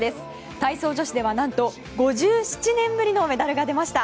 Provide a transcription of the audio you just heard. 体操女子では何と５７年ぶりのメダルが出ました。